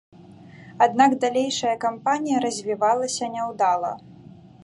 Аднак далейшая кампанія развівалася няўдала.